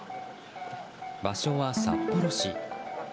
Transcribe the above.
場所は札幌市。